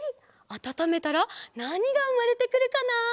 あたためたらなにがうまれてくるかな？